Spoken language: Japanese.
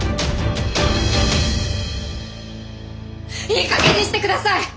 いいかげんにしてください！